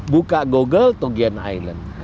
buka google togian island